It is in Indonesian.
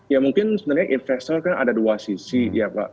ya mungkin sebenarnya investor kan ada dua sisi ya pak